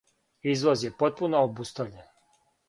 Извоз је потпуно обустављен.